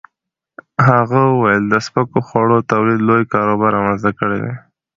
هغه وویل د سپکو خوړو تولید لوی کاروبار رامنځته کړی دی.